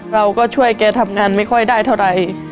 เราก็ช่วยแกทำงานไม่ค่อยได้เท่าไหร่